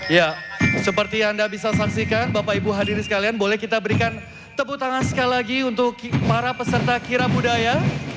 ya seperti anda bisa saksikan bapak ibu hadirin sekalian boleh kita berikan tepuk tangan sekali lagi untuk para peserta kira budaya